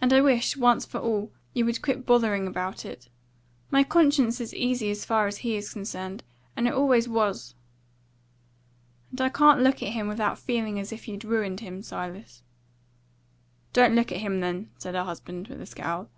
And I wish, once for all, you would quit bothering about it. My conscience is easy as far as he is concerned, and it always was." "And I can't look at him without feeling as if you'd ruined him, Silas." "Don't look at him, then," said her husband, with a scowl.